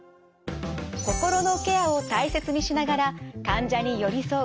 心のケアを大切にしながら患者に寄り添う